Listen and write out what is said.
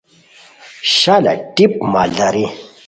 شالہ ٹیپ مالداری